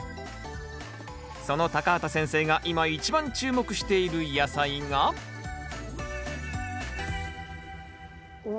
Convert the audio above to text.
その畑先生が今一番注目している野菜がお！